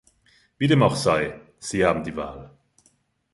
Wie dem auch sei, Sie haben die Wahl.